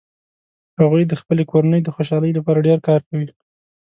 هغوي د خپلې کورنۍ د خوشحالۍ لپاره ډیر کار کوي